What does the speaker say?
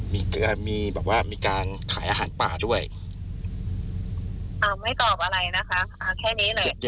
มีเกลือมีการขายอาหารป่าด้วยไม่ตอบอะไรนะคะแค่นี้เลย